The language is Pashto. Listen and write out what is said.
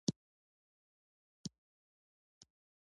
ازادي راډیو د د جګړې راپورونه پر اړه مستند خپرونه چمتو کړې.